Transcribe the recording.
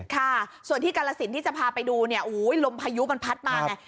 ค่ะส่วนที่กรรศิษย์ที่จะพาไปดูเนี่ยโหลมพายุมันพัดมาแหล่ะ